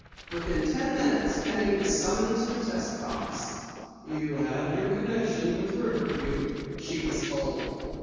Within ten minutes Penny was summoned to the test box. "You have your connection with Riverview," she was told.